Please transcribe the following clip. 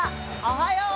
おはよう！